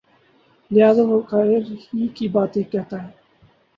لہٰذا وہ مجھے خیر ہی کی باتیں کہتا ہے